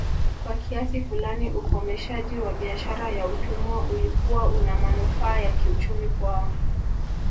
Kwa kiasi fulani ukomeshaji wa biashara ya utumwa ulikuwa unamanufaa ya kiuchumi kwao